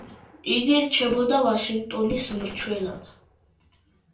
იგი რჩებოდა ვაშინგტონის მრჩევლად.